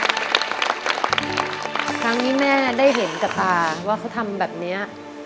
ครั้งนี้แม่ได้เห็นกับตาว่าเขาทำแบบนี้